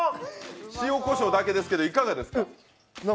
塩こしょうだけですけどいかがですか？